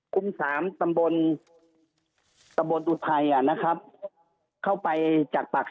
คุมสามตำบลอุทัยเข้าไปจากปากซอย